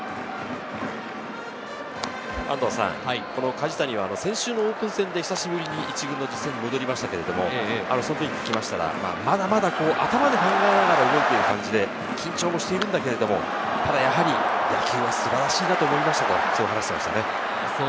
梶谷は先週のオープン戦で久しぶりに１軍の実戦に戻りましたけれど、その時聞きましたら、まだまだ頭で考えながら打っている感じで、緊張もしているんだけれど、やはり野球は素晴らしいなと思いましたと話していました。